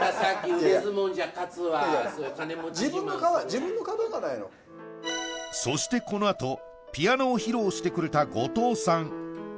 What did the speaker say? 真由美ちゃんそしてこのあとピアノを披露してくれた後藤さん